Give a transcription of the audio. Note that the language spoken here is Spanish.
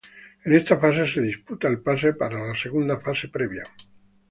En esta fase se disputa el pase para la segunda fase previa.